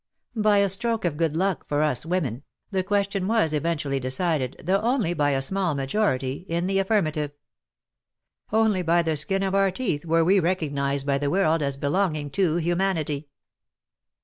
By a stroke of good luck for us women, the question was eventually decided, though only by a small majority, in the affirmative. Only by the skin of our teeth were we recognized by the world as belonging to humanity